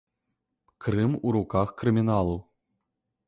Крым у руках крыміналу.